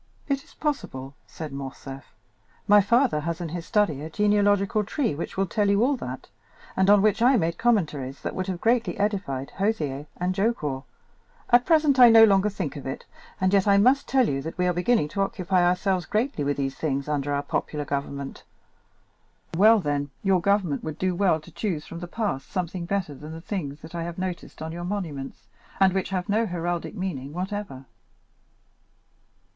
"It is possible," said Morcerf; "my father has in his study a genealogical tree which will tell you all that, and on which I made commentaries that would have greatly edified d'Hozier and Jaucourt. At present I no longer think of it, and yet I must tell you that we are beginning to occupy ourselves greatly with these things under our popular government." "Well, then, your government would do well to choose from the past something better than the things that I have noticed on your monuments, and which have no heraldic meaning whatever.